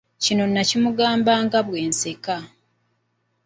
Kino nakimugamba nga bwe nseka.